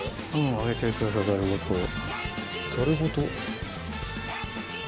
上げてくださいざるごと。ざるごと。